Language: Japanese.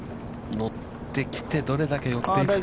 乗ってきて、どれだけ寄っていくか。